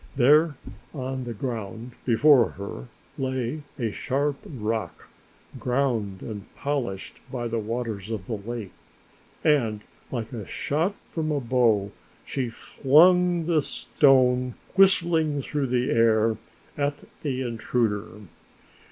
There on the ground before her lay a sharp rock, ground and polished by the waters of the lake, and like a shot from a bow she flung this stone whistling through the air at the intruder.